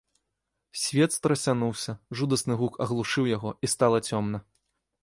Свет страсянуўся, жудасны гук аглушыў яго, і стала цёмна.